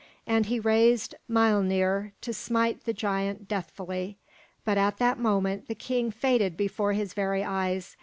and he raised Miölnir to smite the giant deathfully. But at that moment the king faded before his very eyes.